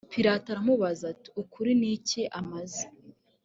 pilato aramubaza ati ukuri ni iki amaze